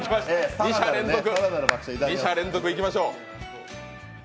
２者連続、いきましょう。